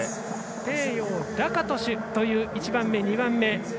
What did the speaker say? ペーヨーラカトシュという１番目、２番目。